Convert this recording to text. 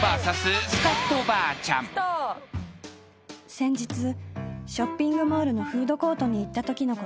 ［先日ショッピングモールのフードコートに行ったときのこと］